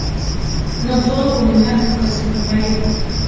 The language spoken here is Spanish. No pudo culminar la educación primaria.